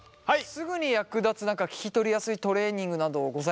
すぐに役立つ聞き取りやすいトレーニングなどございますか？